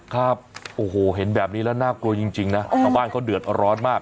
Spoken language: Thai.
ครับโอ้โหเห็นแบบนี้แล้วน่ากลัวจริงนะชาวบ้านเขาเดือดร้อนมาก